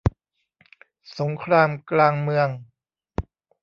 สงครามกลางเมือง